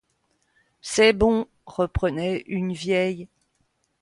C’est bon, reprenait une vieille.